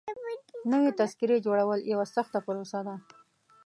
نوي تذکيري جوړول يوه سخته پروسه ده.